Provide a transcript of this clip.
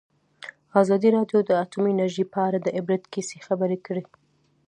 ازادي راډیو د اټومي انرژي په اړه د عبرت کیسې خبر کړي.